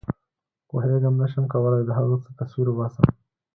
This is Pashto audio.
پوهېږم نه شم کولای د هغه څه تصویر وباسم.